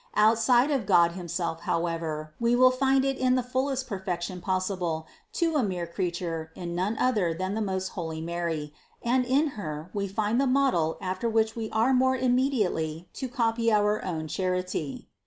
Outside of God himself, however, we will find it in the fullest perfection possible to a mere creature in none other than most holy Mary, and in Her we find the model after which we are more immediately to copy our own charity.